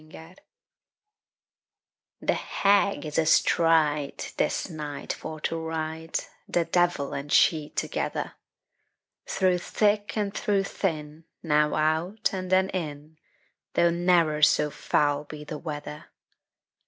THE HAG The Hag is astride, This night for to ride, The devil and she together; Through thick and through thin, Now out, and then in, Though ne'er so foul be the weather.